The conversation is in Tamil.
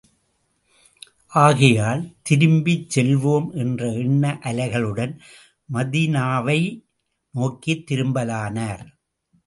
ஆகையால், திரும்பிச் செல்வோம் என்ற எண்ண அலைகளுடன், மதீனாவை நோக்கித் திரும்பலானார்.